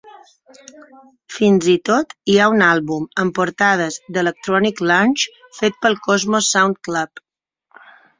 Fins i tot hi ha un àlbum amb portades d'"electronic lounge" fet pel Cosmos Sound Club.